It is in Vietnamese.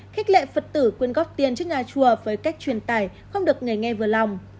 khích lệ phật tử quyên góp tiền trước nhà chùa với cách truyền tải không được nghề nghe vừa lòng